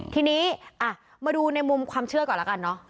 ทีนี้มาดูในมุมความเชื่อก่อนแล้วกันเนอะ